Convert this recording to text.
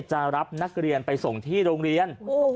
จะรับนักเรียนไปส่งที่โรงเรียน